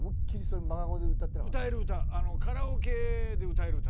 歌える歌。